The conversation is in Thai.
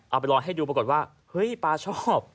เอาไปลอยให้ดูปรากฏว่าเฮ้ยปลาชอบ